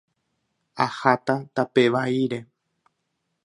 Aháta tape vaíre.